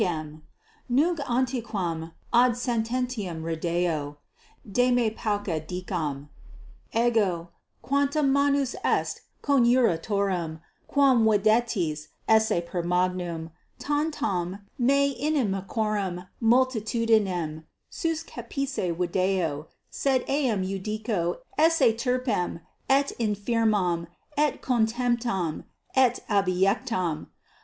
= Nunc antequam ad sententiam redeo, de me pauca dicam. Ego, 20 quanta manus est coniuratorum, quam videtis esse permagnam, tantam me inimicorum multitudinem suscepisse video, sed eam iudico esse turpem et infirmam et contemptam et abiectam.